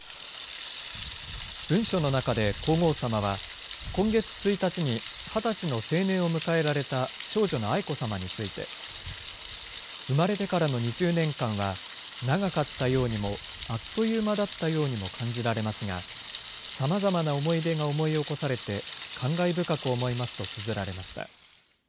文書の中で皇后さまは、今月１日に２０歳の成年を迎えられた長女の愛子さまについて、生まれてからの２０年間は、長かったようにも、あっという間だったようにも感じられますが、さまざまな思い出が思い起こされて、感慨深く思いますとつづられました。